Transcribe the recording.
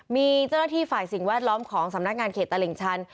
มีเจ้าหน้าที่ฝ่ายสิ่งแวดล้อมของสำนักงานเขตตลิ่งชัน